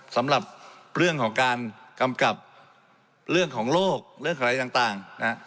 สำหรับเรื่องของการกำกับเรื่องของโลกเรื่องอะไรต่างนะฮะ